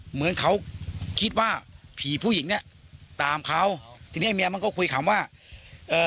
เหมือนเขาคิดว่าผีผู้หญิงเนี้ยตามเขาทีเนี้ยเมียมันก็คุยคำว่าเอ่อ